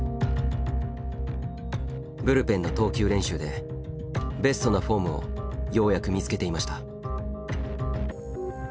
ブルペンの投球練習でベストなフォームをようやく見つけていました。